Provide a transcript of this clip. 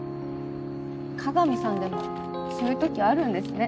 加賀見さんでもそういうときあるんですね。